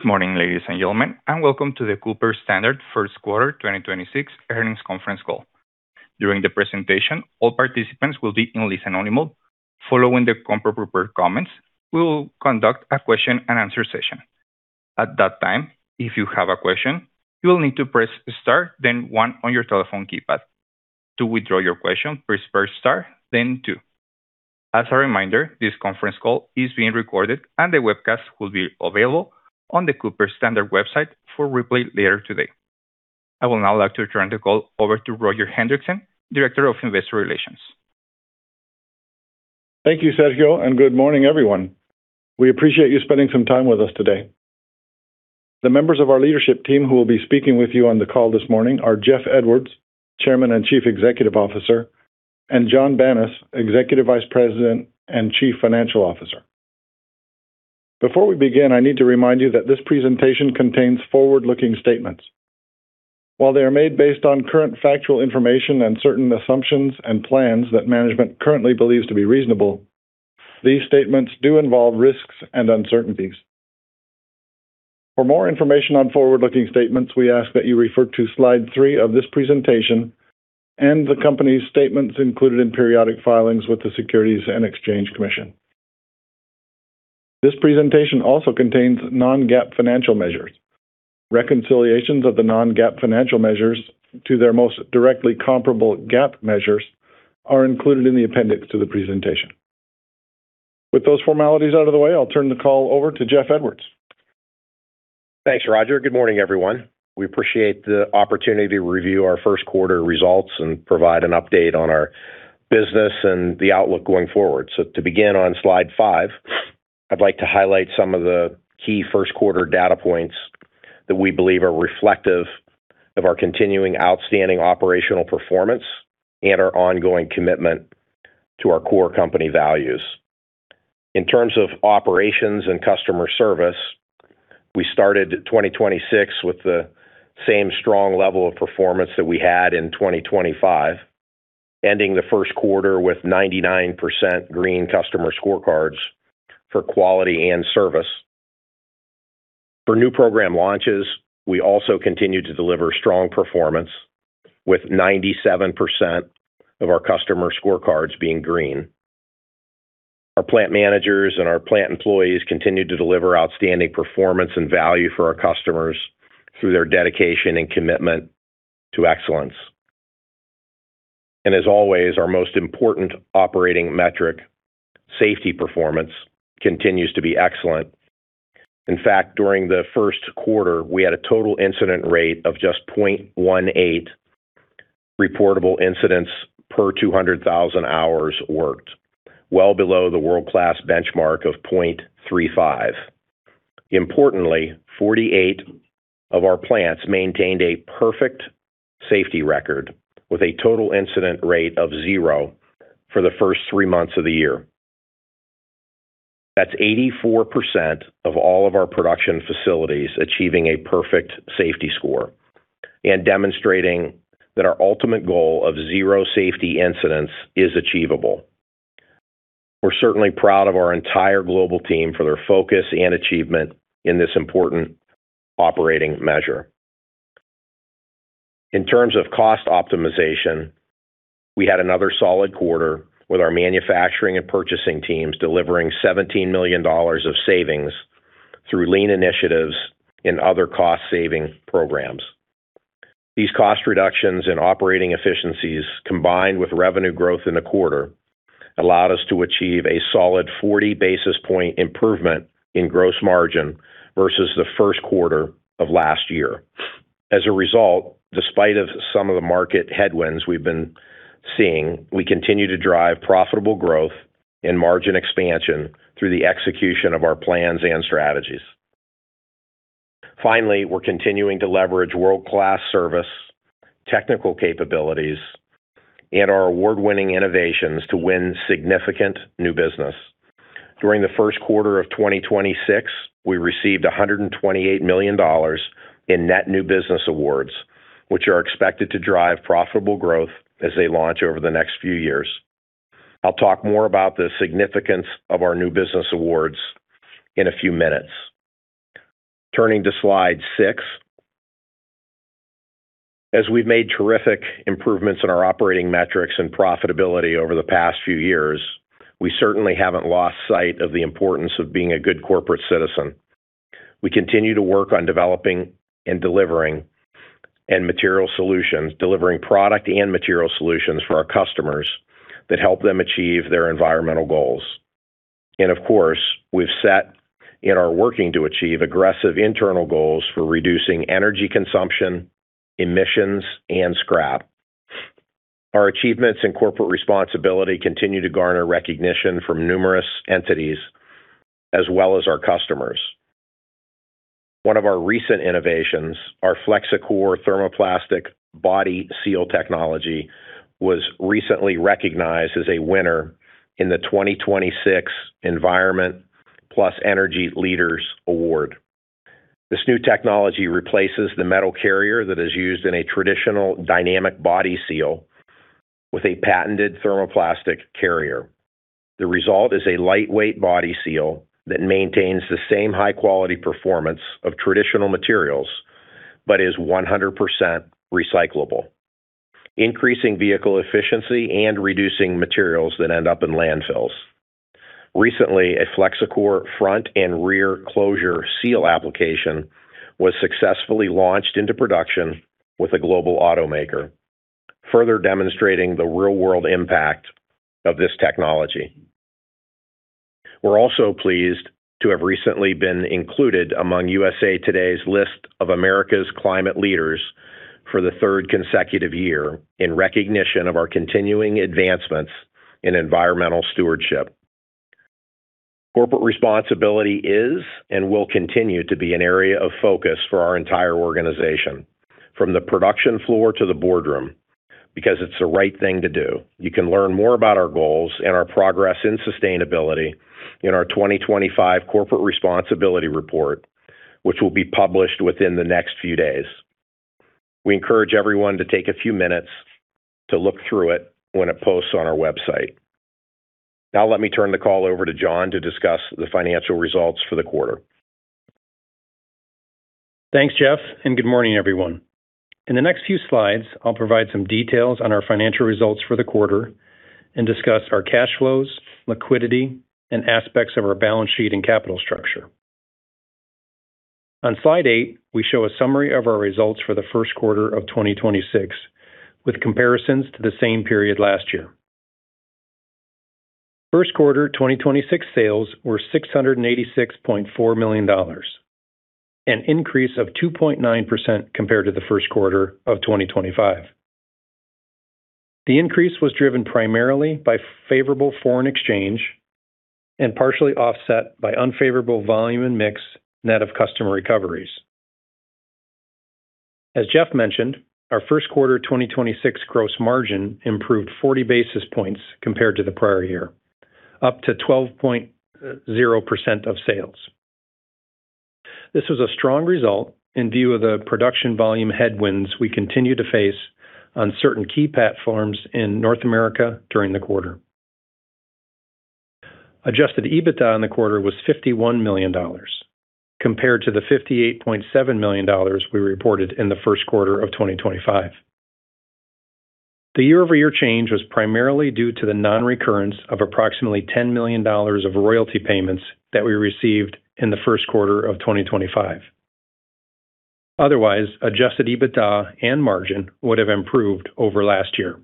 Good morning, ladies and gentlemen, and welcome to the Cooper Standard first quarter 2026 earnings conference call. During the presentation, all participants will be in listen-only mode. Following the prepared comments, we will conduct a question and answer session. At that time, if you have a question, you will need to press Star, then One on your telephone keypad. To withdraw your question, press Star, then two. As a reminder, this conference call is being recorded and the webcast will be available on the Cooper Standard website for replay later today. I will now like to turn the call over to Roger Hendriksen, Director of Investor Relations. Thank you, Sergio, and good morning, everyone. We appreciate you spending some time with us today. The members of our leadership team who will be speaking with you on the call this morning are Jeff Edwards, Chairman and Chief Executive Officer, and John Banas, Executive Vice President and Chief Financial Officer. Before we begin, I need to remind you that this presentation contains forward-looking statements. While they are made based on current factual information and certain assumptions and plans that management currently believes to be reasonable, these statements do involve risks and uncertainties. For more information on forward-looking statements, we ask that you refer to slide three of this presentation and the company's statements included in periodic filings with the Securities and Exchange Commission. This presentation also contains non-GAAP financial measures. Reconciliations of the non-GAAP financial measures to their most directly comparable GAAP measures are included in the appendix to the presentation. With those formalities out of the way, I'll turn the call over to Jeff Edwards. Thanks, Roger. Good morning, everyone. We appreciate the opportunity to review our first quarter results and provide an update on our business and the outlook going forward. To begin on slide 5, I'd like to highlight some of the key first quarter data points that we believe are reflective of our continuing outstanding operational performance and our ongoing commitment to our core company values. In terms of operations and customer service, we started 2026 with the same strong level of performance that we had in 2025, ending the first quarter with 99% green customer scorecards for quality and service. For new program launches, we also continued to deliver strong performance with 97% of our customer scorecards being green. Our plant managers and our plant employees continued to deliver outstanding performance and value for our customers through their dedication and commitment to excellence. As always, our most important operating metric, safety performance, continues to be excellent. In fact, during the first quarter, we had a total incident rate of just 0.18 reportable incidents per 200,000 hours worked, well below the world-class benchmark of 0.35. Importantly, 48 of our plants maintained a perfect safety record with a total incident rate of zero for the three months of the year. That's 84% of all of our production facilities achieving a perfect safety score and demonstrating that our ultimate goal of zero safety incidents is achievable. We're certainly proud of our entire global team for their focus and achievement in this important operating measure. In terms of cost optimization, we had another solid quarter with our manufacturing and purchasing teams delivering $17 million of savings through lean initiatives and other cost-saving programs. These cost reductions and operating efficiencies, combined with revenue growth in the quarter, allowed us to achieve a solid 40 basis point improvement in gross margin versus the first quarter of last year. As a result, despite of some of the market headwinds we've been seeing, we continue to drive profitable growth and margin expansion through the execution of our plans and strategies. Finally, we're continuing to leverage world-class service, technical capabilities, and our award-winning innovations to win significant new business. During the first quarter of 2026, we received $128 million in net new business awards, which are expected to drive profitable growth as they launch over the next few years. I'll talk more about the significance of our new business awards in a few minutes. Turning to slide 6. As we've made terrific improvements in our operating metrics and profitability over the past few years, we certainly haven't lost sight of the importance of being a good corporate citizen. We continue to work on developing and delivering end material solutions, delivering product and material solutions for our customers that help them achieve their environmental goals. Of course, we've set and are working to achieve aggressive internal goals for reducing energy consumption, emissions, and scrap. Our achievements in corporate responsibility continue to garner recognition from numerous entities as well as our customers. One of our recent innovations, our FlexiCore thermoplastic body seal technology, was recently recognized as a winner in the 2026 Environment+Energy Leaders Award. This new technology replaces the metal carrier that is used in a traditional dynamic body seal with a patented thermoplastic carrier. The result is a lightweight body seal that maintains the same high-quality performance of traditional materials, but is 100% recyclable, increasing vehicle efficiency and reducing materials that end up in landfills. Recently, a FlexiCore front and rear closure seal application was successfully launched into production with a global automaker, further demonstrating the real-world impact of this technology. We're also pleased to have recently been included among USA TODAY's list of America's Climate Leaders for the third consecutive year in recognition of our continuing advancements in environmental stewardship. Corporate responsibility is and will continue to be an area of focus for our entire organization, from the production floor to the boardroom, because it's the right thing to do. You can learn more about our goals and our progress in sustainability in our 2025 corporate responsibility report, which will be published within the next few days. We encourage everyone to take a few minutes to look through it when it posts on our website. Let me turn the call over to John to discuss the financial results for the quarter. Thanks, Jeff, and good morning, everyone. In the next few slides, I'll provide some details on our financial results for the quarter and discuss our cash flows, liquidity, and aspects of our balance sheet and capital structure. On slide 8, we show a summary of our results for the first quarter of 2026, with comparisons to the same period last year. First quarter 2026 sales were $686.4 million, an increase of 2.9% compared to the first quarter of 2025. The increase was driven primarily by favorable foreign exchange and partially offset by unfavorable volume and mix net of customer recoveries. As Jeff mentioned, our first quarter 2026 gross margin improved 40 basis points compared to the prior year, up to 12.0% of sales. This was a strong result in view of the production volume headwinds we continue to face on certain key platforms in North America during the quarter. Adjusted EBITDA in the quarter was $51 million compared to the $58.7 million we reported in the first quarter of 2025. The year-over-year change was primarily due to the non-recurrence of approximately $10 million of royalty payments that we received in the first quarter of 2025. Otherwise, Adjusted EBITDA and margin would have improved over last year.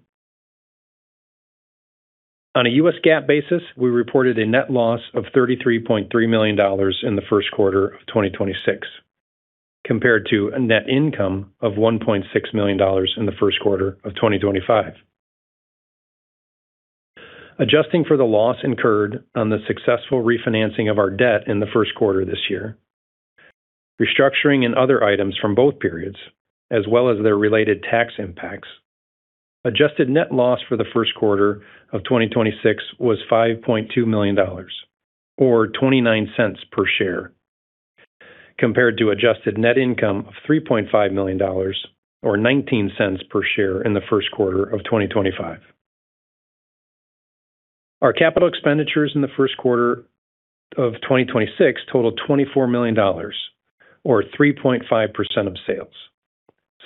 On a U.S. GAAP basis, we reported a net loss of $33.3 million in the first quarter of 2026 compared to a net income of $1.6 million in the first quarter of 2025. Adjusting for the loss incurred on the successful refinancing of our debt in the first quarter this year, restructuring and other items from both periods, as well as their related tax impacts, adjusted net loss for the first quarter of 2026 was $5.2 million or $0.29 per share, compared to adjusted net income of $3.5 million or $0.19 per share in the first quarter of 2025. Our capital expenditures in the first quarter of 2026 totaled $24 million or 3.5% of sales,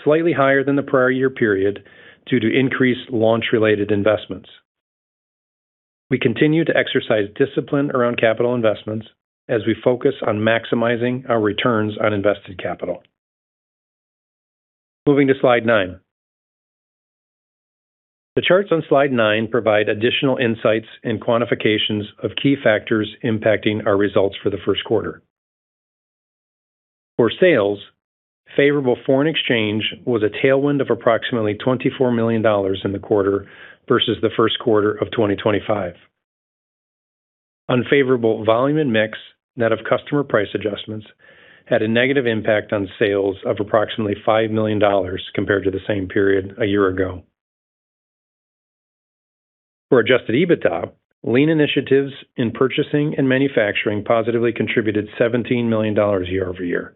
slightly higher than the prior year period due to increased launch-related investments. We continue to exercise discipline around capital investments as we focus on maximizing our returns on invested capital. Moving to slide 9. The charts on slide 9 provide additional insights and quantifications of key factors impacting our results for the first quarter. For sales, favorable foreign exchange was a tailwind of approximately $24 million in the quarter versus the first quarter of 2025. Unfavorable volume and mix, net of customer price adjustments, had a negative impact on sales of approximately $5 million compared to the same period a year ago. For Adjusted EBITDA, lean initiatives in purchasing and manufacturing positively contributed $17 million year-over-year,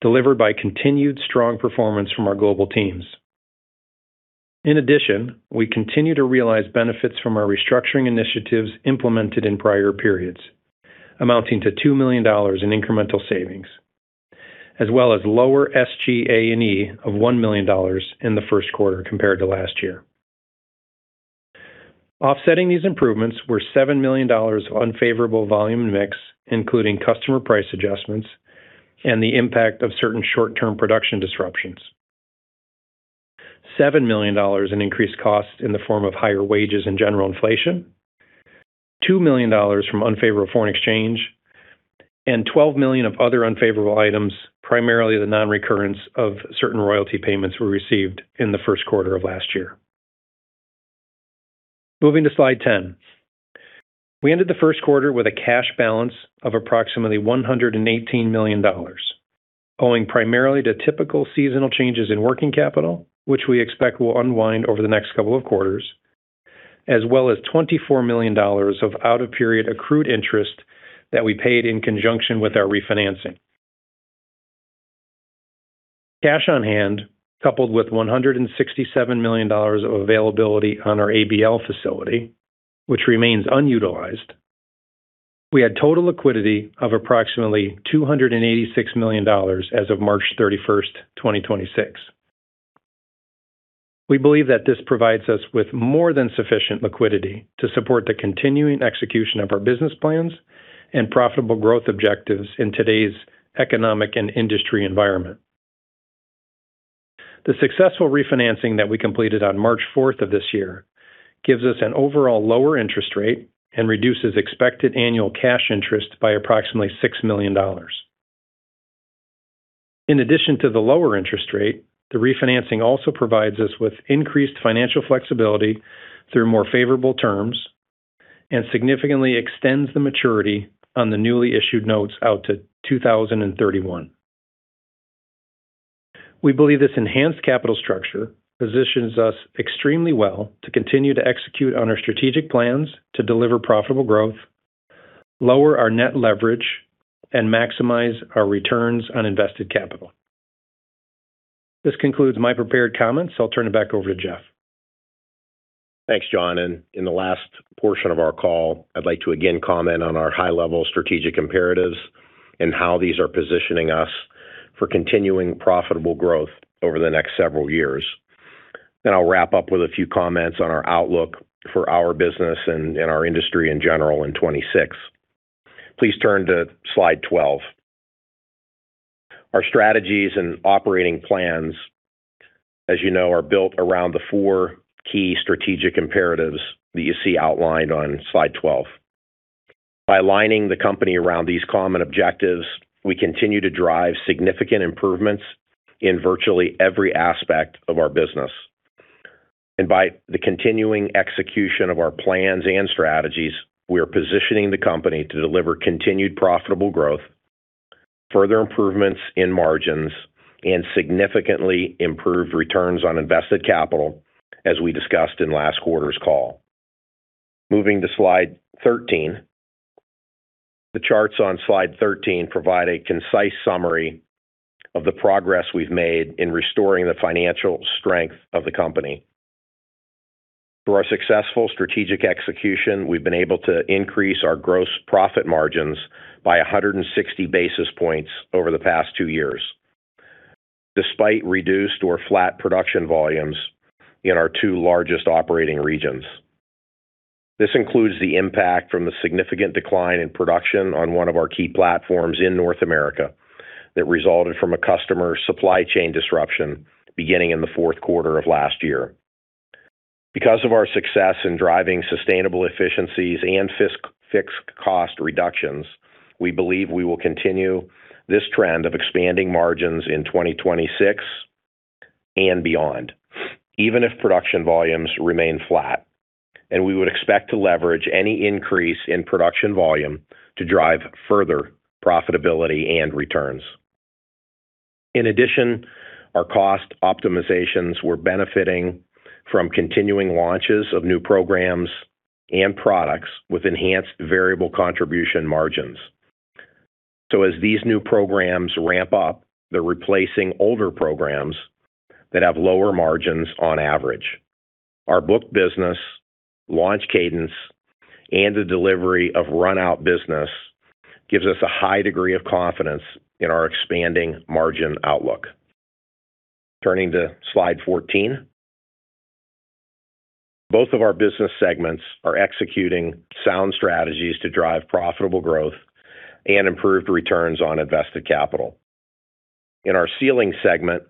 delivered by continued strong performance from our global teams. In addition, we continue to realize benefits from our restructuring initiatives implemented in prior periods, amounting to $2 million in incremental savings, as well as lower SG&A of $1 million in the first quarter compared to last year. Offsetting these improvements were $7 million of unfavorable volume and mix, including customer price adjustments and the impact of certain short-term production disruptions, $7 million in increased costs in the form of higher wages and general inflation, $2 million from unfavorable foreign exchange, and $12 million of other unfavorable items, primarily the non-recurrence of certain royalty payments we received in the first quarter of last year. Moving to slide 10. We ended the first quarter with a cash balance of approximately $118 million, owing primarily to typical seasonal changes in working capital, which we expect will unwind over the next couple of quarters, as well as $24 million of out-of-period accrued interest that we paid in conjunction with our refinancing. Cash on hand, coupled with $167 million of availability on our ABL facility, which remains unutilized, we had total liquidity of approximately $286 million as of March 31st, 2026. We believe that this provides us with more than sufficient liquidity to support the continuing execution of our business plans and profitable growth objectives in today's economic and industry environment. The successful refinancing that we completed on March fourth of this year gives us an overall lower interest rate and reduces expected annual cash interest by approximately $6 million. In addition to the lower interest rate, the refinancing also provides us with increased financial flexibility through more favorable terms and significantly extends the maturity on the newly issued notes out to 2031. We believe this enhanced capital structure positions us extremely well to continue to execute on our strategic plans to deliver profitable growth, lower our net leverage, and maximize our returns on invested capital. This concludes my prepared comments. I'll turn it back over to Jeff. Thanks, John. In the last portion of our call, I'd like to again comment on our high-level strategic imperatives and how these are positioning us for continuing profitable growth over the next several years. I'll wrap up with a few comments on our outlook for our business and our industry in general in 2026. Please turn to slide 12. Our strategies and operating plans, as you know, are built around the four key strategic imperatives that you see outlined on slide 12. By aligning the company around these common objectives, we continue to drive significant improvements in virtually every aspect of our business. By the continuing execution of our plans and strategies, we are positioning the company to deliver continued profitable growth, further improvements in margins, and significantly improved returns on invested capital, as we discussed in last quarter's call. Moving to slide 13. The charts on slide 13 provide a concise summary of the progress we've made in restoring the financial strength of the company. Through our successful strategic execution, we've been able to increase our gross profit margins by 160 basis points over the past two years, despite reduced or flat production volumes in our two largest operating regions. This includes the impact from the significant decline in production on one of our key platforms in North America that resulted from a customer supply chain disruption beginning in the fourth quarter of last year. Because of our success in driving sustainable efficiencies and fixed cost reductions, we believe we will continue this trend of expanding margins in 2026 and beyond, even if production volumes remain flat, and we would expect to leverage any increase in production volume to drive further profitability and returns. In addition, our cost optimizations were benefiting from continuing launches of new programs and products with enhanced variable contribution margins. As these new programs ramp up, they're replacing older programs that have lower margins on average. Our book business, launch cadence, and the delivery of run-out business gives us a high degree of confidence in our expanding margin outlook. Turning to slide 14. Both of our business segments are executing sound strategies to drive profitable growth and improved returns on invested capital. In our Sealing segment,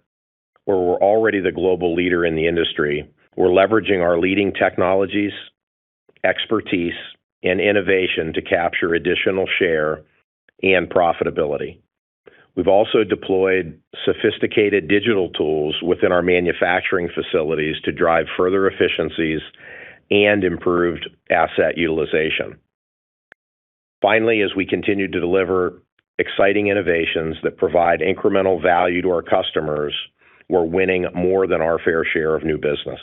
where we're already the global leader in the industry, we're leveraging our leading technologies, expertise, and innovation to capture additional share and profitability. We've also deployed sophisticated digital tools within our manufacturing facilities to drive further efficiencies and improved asset utilization. Finally, as we continue to deliver exciting innovations that provide incremental value to our customers, we're winning more than our fair share of new business.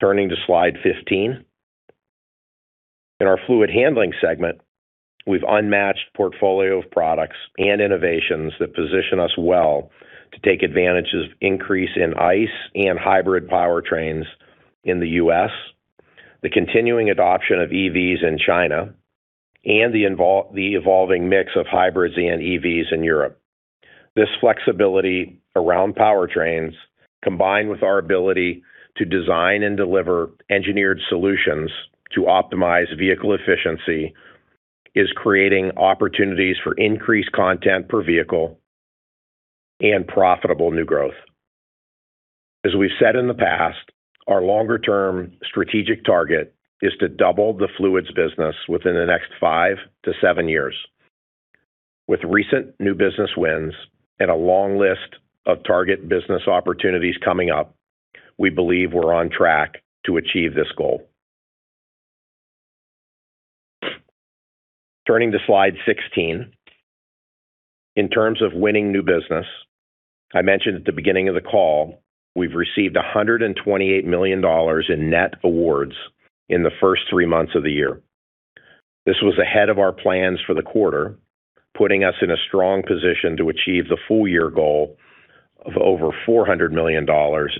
Turning to slide 15. In our Fluid Handling segment, we've unmatched portfolio of products and innovations that position us well to take advantage of increase in ICE and hybrid powertrains in the U.S., the continuing adoption of EVs in China, and the evolving mix of hybrids and EVs in Europe. This flexibility around powertrains, combined with our ability to design and deliver engineered solutions to optimize vehicle efficiency, is creating opportunities for increased content per vehicle and profitable new growth. As we've said in the past, our longer-term strategic target is to double the Fluids business within the next five to seven years. With recent new business wins and a long list of target business opportunities coming up, we believe we're on track to achieve this goal. Turning to slide 16. In terms of winning new business, I mentioned at the beginning of the call, we've received $128 million in net awards in the first three months of the year. This was ahead of our plans for the quarter, putting us in a strong position to achieve the full year goal of over $400 million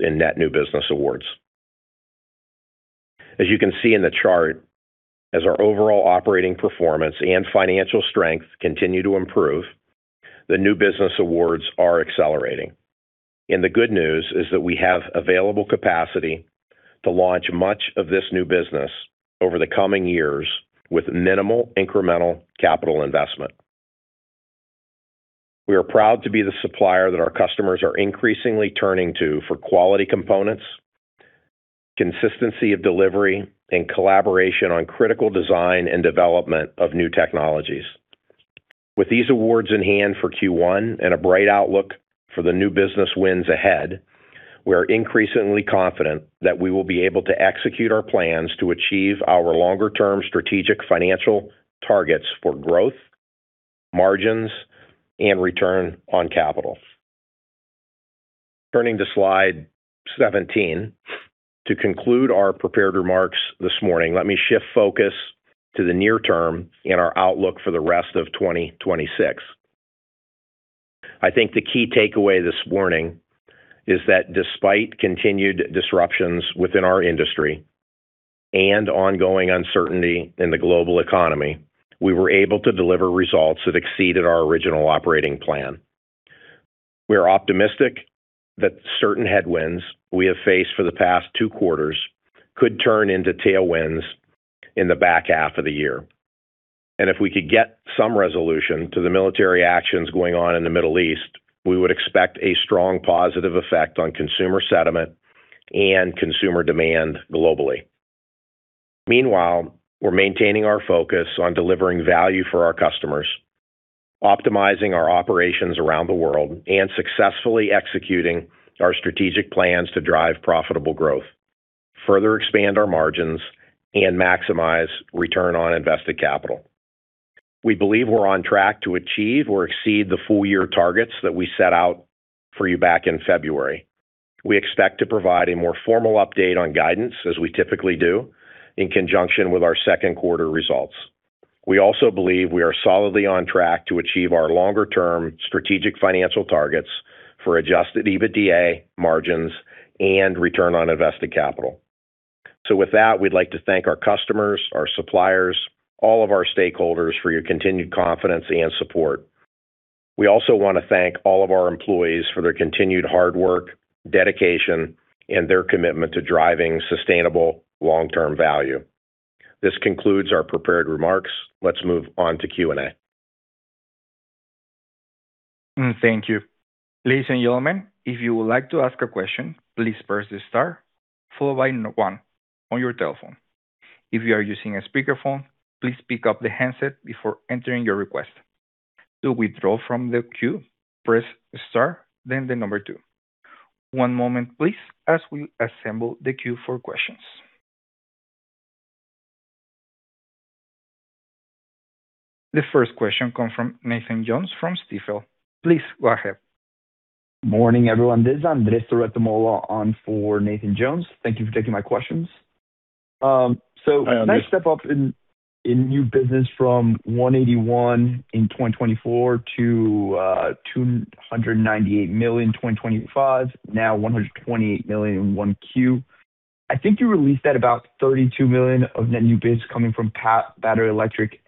in net new business awards. As you can see in the chart, as our overall operating performance and financial strength continue to improve, the new business awards are accelerating. The good news is that we have available capacity to launch much of this new business over the coming years with minimal incremental capital investment. We are proud to be the supplier that our customers are increasingly turning to for quality components, consistency of delivery, and collaboration on critical design and development of new technologies. With these awards in hand for Q1 and a bright outlook for the new business wins ahead, we are increasingly confident that we will be able to execute our plans to achieve our longer-term strategic financial targets for growth, margins, and return on capital. Turning to slide 17, to conclude our prepared remarks this morning, let me shift focus to the near term and our outlook for the rest of 2026. I think the key takeaway this morning is that despite continued disruptions within our industry and ongoing uncertainty in the global economy, we were able to deliver results that exceeded our original operating plan. We are optimistic that certain headwinds we have faced for the past 2 quarters could turn into tailwinds in the back half of the year. If we could get some resolution to the military actions going on in the Middle East, we would expect a strong positive effect on consumer sentiment and consumer demand globally. Meanwhile, we're maintaining our focus on delivering value for our customers, optimizing our operations around the world, and successfully executing our strategic plans to drive profitable growth, further expand our margins, and maximize return on invested capital. We believe we're on track to achieve or exceed the full year targets that we set out for you back in February. We expect to provide a more formal update on guidance as we typically do in conjunction with our second quarter results. We also believe we are solidly on track to achieve our longer term strategic financial targets for Adjusted EBITDA margins and return on invested capital. With that, we'd like to thank our customers, our suppliers, all of our stakeholders for your continued confidence and support. We also wanna thank all of our employees for their continued hard work, dedication, and their commitment to driving sustainable long-term value. This concludes our prepared remarks. Let's move on to Q&A. Thank you. Ladies and gentlemen, if you would like to ask a question, please press star followed by one on your telephone. If you are using a speakerphone, please pick up the handset before entering your request. To withdraw from the queue, press star, then the number two. One moment, please, as we assemble the queue for questions. The first question comes from Nathan Jones from Stifel. Please go ahead. Morning, everyone. This is Andres Loret de Mola on for Nathan Jones. Thank you for taking my questions. Nice step up in new business from 181 in 2024 to $298 million 2025, now $128 million in 1Q. I think you released that about $32 million of net new biz coming from battery, electric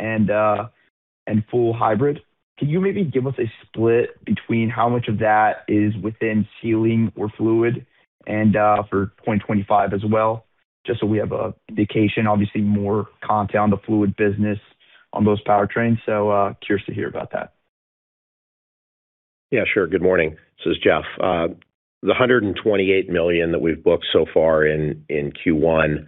and full hybrid. Can you maybe give us a split between how much of that is within Sealing or Fluid and for 0.25 as well? Just so we have a indication. Obviously, more content on the Fluid business on those powertrains. Curious to hear about that. Yeah, sure. Good morning. This is Jeff. The $128 million that we've booked so far in Q1,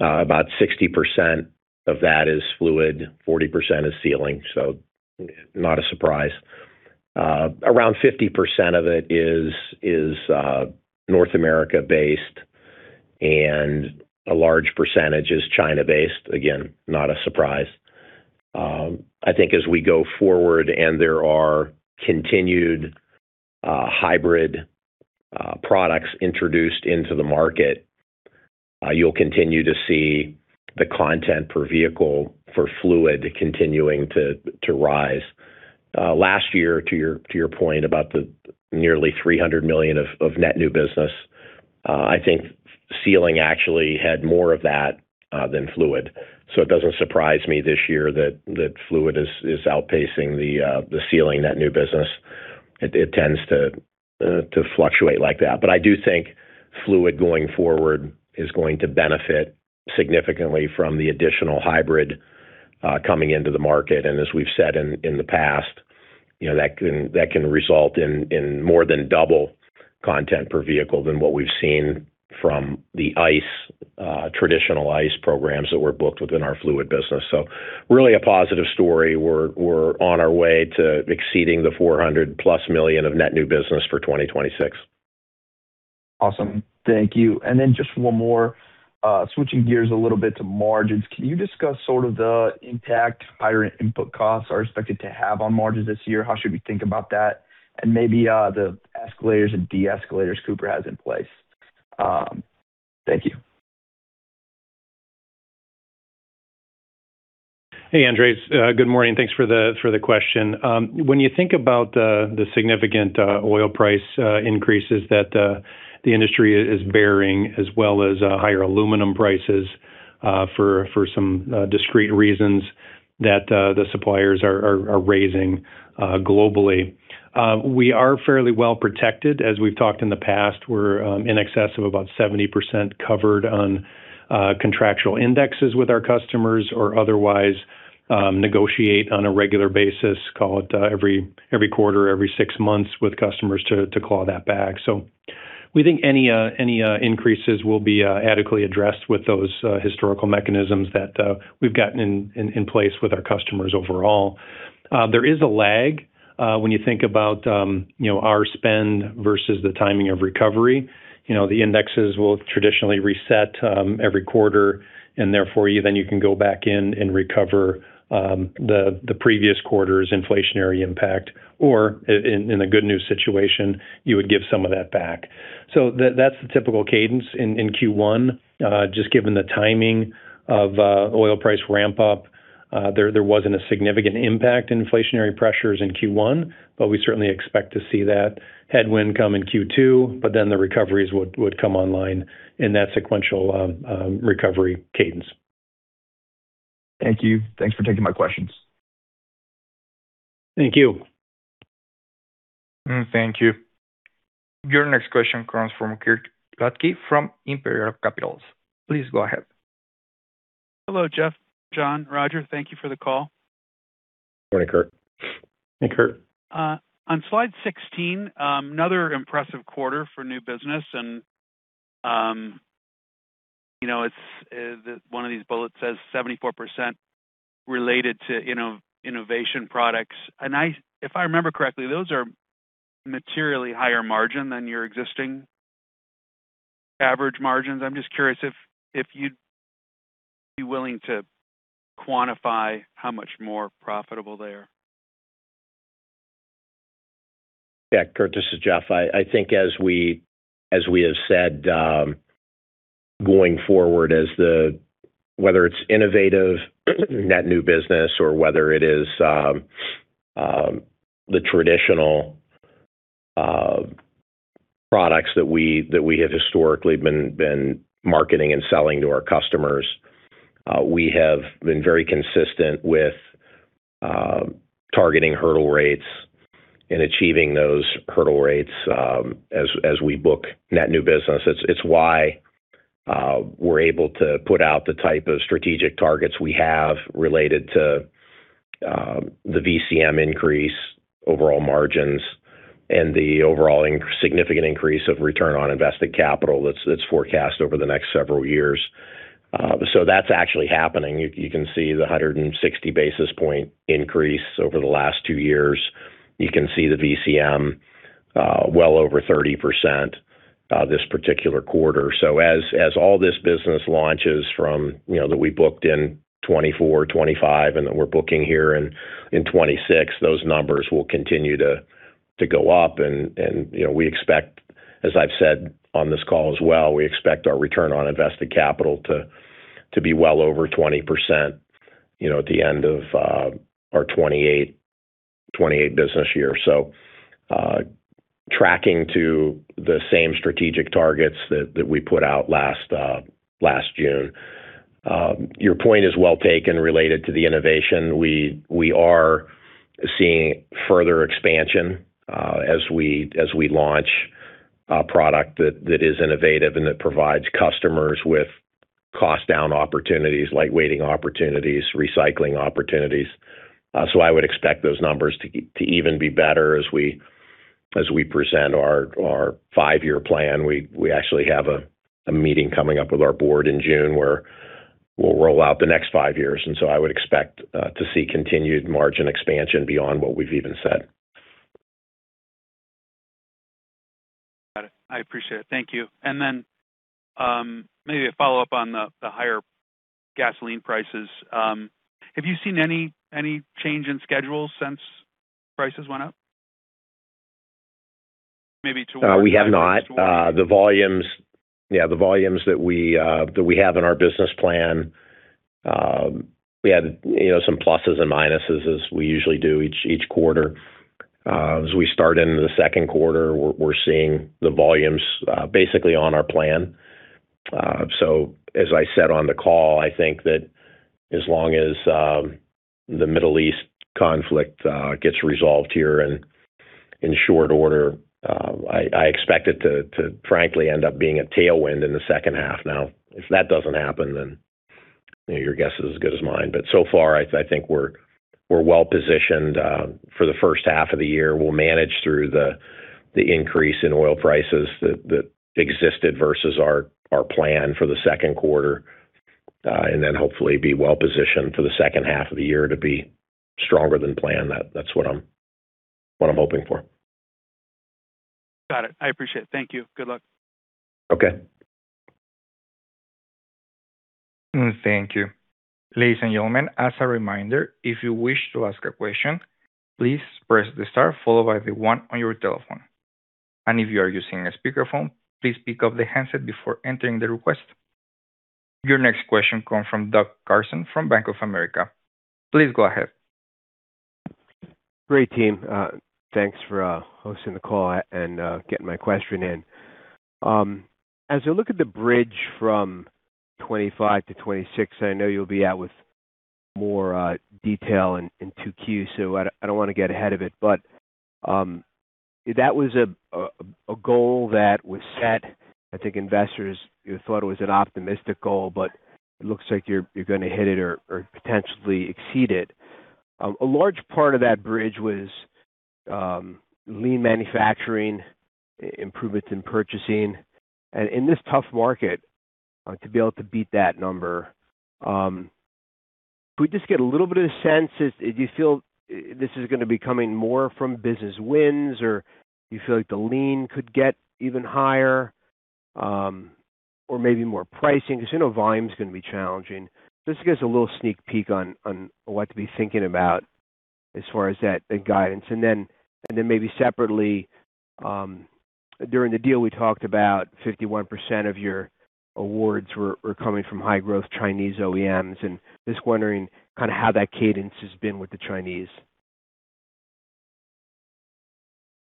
about 60% of that is Fluid, 40% is Sealing. Not a surprise. Around 50% of it is North America-based, and a large percentage is China-based. Again, not a surprise. I think as we go forward and there are continued hybrid products introduced into the market, you'll continue to see the content per vehicle for Fluid continuing to rise. Last year, to your, to your point about the nearly $300 million of net new business, I think Sealing actually had more of that than Fluid. It doesn't surprise me this year that Fluid is outpacing the Sealing net new business. It tends to fluctuate like that. I do think Fluid going forward is going to benefit significantly from the additional hybrid coming into the market. As we've said in the past, you know, that can result in more than double content per vehicle than what we've seen from the traditional ICE programs that were booked within our Fluid business. Really a positive story. We're on our way to exceeding the $400+ million of net new business for 2026. Awesome. Thank you. Just one more. Switching gears a little bit to margins. Can you discuss sort of the impact higher input costs are expected to have on margins this year? How should we think about that? Maybe the escalators and de-escalators Cooper has in place. Thank you. Hey, Andres Loret de Mola. Good morning. Thanks for the question. When you think about the significant oil price increases that the industry is bearing as well as higher aluminum prices, for some discrete reasons that the suppliers are raising globally, we are fairly well protected. As we've talked in the past, we're in excess of about 70% covered on contractual indexes with our customers or otherwise negotiate on a regular basis, call it every quarter, every six months with customers to claw that back. We think any increases will be adequately addressed with those historical mechanisms that we've gotten in place with our customers overall. There is a lag, when you think about, you know, our spend versus the timing of recovery. You know, the indexes will traditionally reset every quarter and therefore then you can go back in and recover the previous quarter's inflationary impact or in a good news situation, you would give some of that back. That's the typical cadence in Q1. Just given the timing of oil price ramp up, there wasn't a significant impact inflationary pressures in Q1, but we certainly expect to see that headwind come in Q2, the recoveries would come online in that sequential recovery cadence. Thank you. Thanks for taking my questions. Thank you. Thank you. Your next question comes from Kirk Ludtke from Imperial Capital. Please go ahead. Hello, Jeff, John, Roger. Thank you for the call. Morning, Kirk. Hey, Kirk. On slide 16, another impressive quarter for new business and, you know, it's one of these bullets says 74% related to, you know, innovation products. If I remember correctly, those are materially higher margin than your existing average margins. I'm just curious if you'd be willing to quantify how much more profitable they are. Yeah, Kirk Ludtke, this is Jeff Edwards. I think as we have said, going forward as whether it's innovative net new business or whether it is the traditional products that we have historically been marketing and selling to our customers, we have been very consistent with targeting hurdle rates and achieving those hurdle rates as we book net new business. It's why we're able to put out the type of strategic targets we have related to the VCM increase overall margins and the overall significant increase of return on invested capital that's forecast over the next several years. That's actually happening. You can see the 160 basis points increase over the last two years. You can see the VCM well over 30% this particular quarter. As all this business launches from, you know, that we booked in 2024, 2025, and that we're booking here in 2026, those numbers will continue to go up and, you know, we expect, as I've said on this call as well, we expect our return on invested capital to be well over 20%, you know, at the end of our 2028 business year. Tracking to the same strategic targets that we put out last June. Your point is well taken related to the innovation. We are seeing further expansion as we launch a product that is innovative and that provides customers with cost down opportunities, light weighting opportunities, recycling opportunities. I would expect those numbers to even be better as we present our five-year plan. We actually have a meeting coming up with our board in June where we'll roll out the next five years. I would expect to see continued margin expansion beyond what we've even said. Got it. I appreciate it. Thank you. Then, maybe a follow-up on the higher gasoline prices. Have you seen any change in schedules since prices went up? We have not. The volumes that we have in our business plan, we had, you know, some pluses and minuses as we usually do each quarter. As we start into the second quarter, we're seeing the volumes basically on our plan. As I said on the call, I think that as long as the Middle East conflict gets resolved here and in short order, I expect it to frankly end up being a tailwind in the second half. If that doesn't happen, you know, your guess is as good as mine. So far, I think we're well-positioned for the first half of the year. We'll manage through the increase in oil prices that existed versus our plan for the second quarter, and then hopefully be well-positioned for the second half of the year to be stronger than planned. That's what I'm hoping for. Got it. I appreciate it. Thank you. Good luck. Okay. Thank you. Ladies and gentlemen, as a reminder, if you wish to ask a question, please press the star followed by the one on your telephone. If you are using a speakerphone, please pick up the handset before entering the request. Your next question come from Doug Carson from Bank of America. Please go ahead. Great, team. Thanks for hosting the call and getting my question in. As you look at the bridge from 2025 to 2026, I know you'll be out with more detail in 2Q, so I don't wanna get ahead of it. That was a goal that was set. I think investors thought it was an optimistic goal, but it looks like you're gonna hit it or potentially exceed it. A large part of that bridge was lean manufacturing, improvements in purchasing. In this tough market, to be able to beat that number, can we just get a little bit of sense if you feel this is gonna be coming more from business wins or you feel like the lean could get even higher, or maybe more pricing 'cause you know volume's gonna be challenging. Just give us a little sneak peek on what to be thinking about as far as that, the guidance. Then, then maybe separately, during the deal we talked about 51% of your awards were coming from high growth Chinese OEMs, and just wondering kinda how that cadence has been with the Chinese.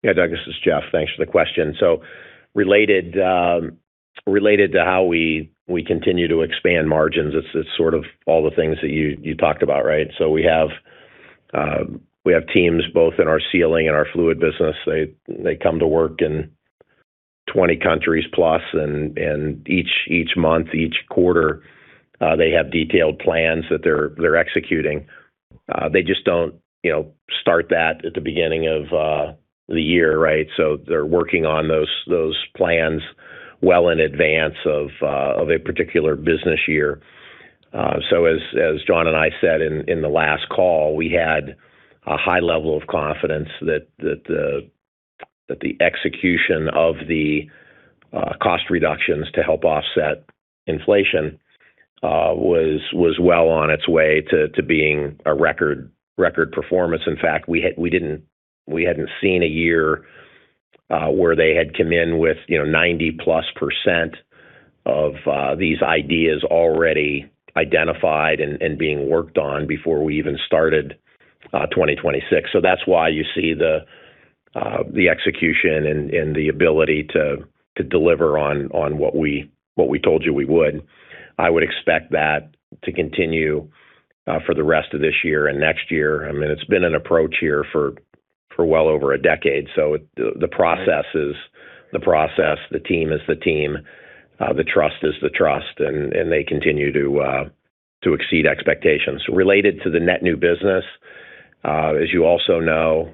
Yeah, Doug, this is Jeff. Thanks for the question. Related to how we continue to expand margins, it's sort of all the things that you talked about, right? We have teams both in our Sealing and our Fluid business. They come to work in 20 countries plus, and each month, each quarter, they have detailed plans that they're executing. They just don't, you know, start that at the beginning of the year, right? They're working on those plans well in advance of a particular business year. As, as John and I said in the last call, we had a high level of confidence that the execution of the cost reductions to help offset inflation was well on its way to being a record performance. In fact, we hadn't seen a year where they had come in with, you know, 90%+ of these ideas already identified and being worked on before we even started 2026. That's why you see the execution and the ability to deliver on what we told you we would. I would expect that to continue for the rest of this year and next year. I mean, it's been an approach here for well over a decade. The process is the process, the team is the team, and the trust is the trust, and they continue to exceed expectations. Related to the net new business, as you also know,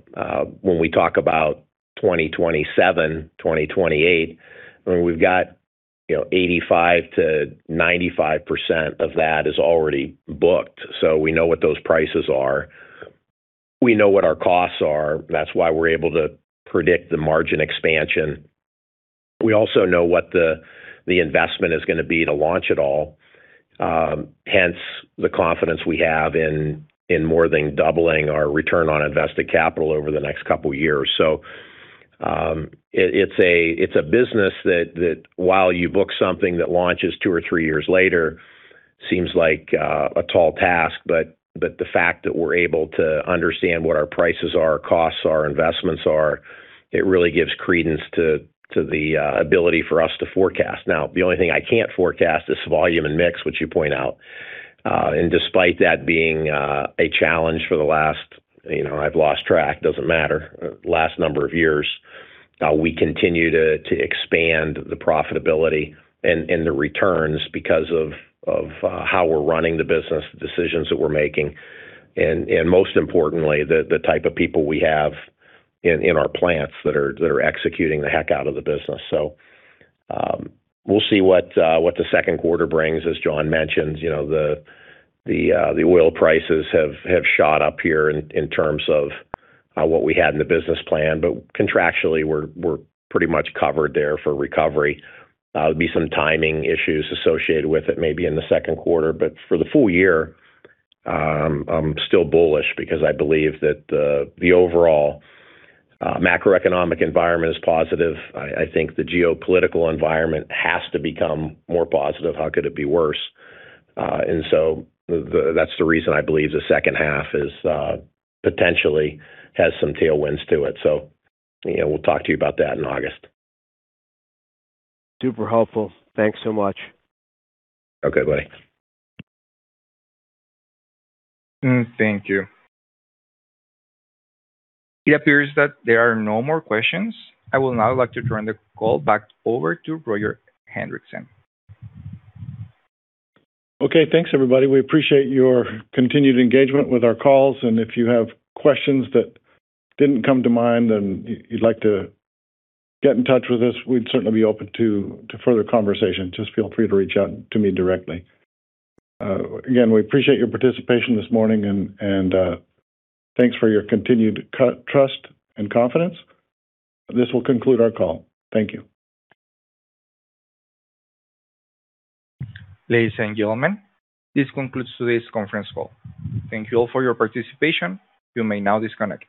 when we talk about 2027, 2028, I mean, you know, 85%-95% of that is already booked. We know what those prices are. We know what our costs are. That's why we're able to predict the margin expansion. We also know what the investment is gonna be to launch it all. Hence, the confidence we have in more than doubling our return on invested capital over the next couple of years. It's a business that while you book something that launches two or three years later, seems like a tall task, but the fact that we're able to understand what our prices are, costs are, investments are, it really gives credence to the ability for us to forecast. Now, the only thing I can't forecast is volume and mix, which you point out. Despite that being a challenge for the last, you know, I've lost track, doesn't matter, last number of years, we continue to expand the profitability and the returns because of how we're running the business, the decisions that we're making, and most importantly, the type of people we have in our plants that are executing the heck out of the business. We'll see what the second quarter brings. As John mentioned, you know, the oil prices have shot up here in terms of what we had in the business plan. Contractually, we're pretty much covered there for recovery. There'd be some timing issues associated with it maybe in the second quarter. For the full year, I'm still bullish because I believe that the overall macroeconomic environment is positive. I think the geopolitical environment has to become more positive. How could it be worse? That's the reason I believe the second half is potentially has some tailwinds to it. You know, we'll talk to you about that in August. Super helpful. Thanks so much. Okay,. Thank you. It appears that there are no more questions. I will now like to turn the call back over to Roger Hendriksen. Okay, thanks, everybody. We appreciate your continued engagement with our calls. If you have questions that didn't come to mind and you'd like to get in touch with us, we'd certainly be open to further conversation. Just feel free to reach out to me directly. Again, we appreciate your participation this morning and thanks for your continued trust and confidence. This will conclude our call. Thank you. Ladies and gentlemen, this concludes today's conference call. Thank you all for your participation. You may now disconnect.